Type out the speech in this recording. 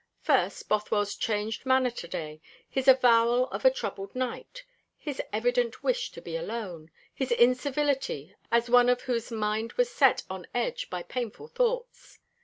First, Bothwell's changed manner to day his avowal of a troubled night his evident wish to be alone his incivility, as of one whose mind was set on edge by painful thoughts.